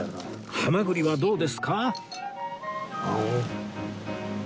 ハマグリはどうですか？